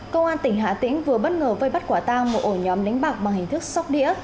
công an tỉnh hà tĩnh vừa bất ngờ vây bắt quả tang một ổ nhóm đánh bạc bằng hình thức sóc đĩa